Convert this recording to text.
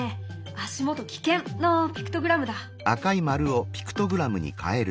「足元危険！」のピクトグラムだ。